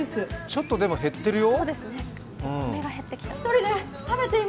ちょっと、でも減ってるよ。